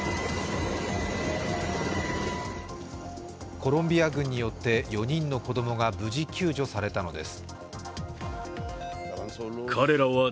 コロンビア軍によって４人の子供が無事、救助されたのです。